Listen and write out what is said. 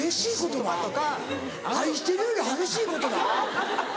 「愛してる」より激しい言葉？